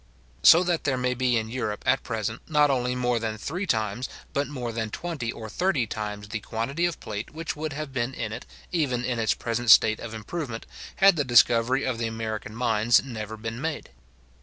So that there may be in Europe at present, not only more than three times, but more than twenty or thirty times the quantity of plate which would have been in it, even in its present state of improvement, had the discovery of the American mines never been made.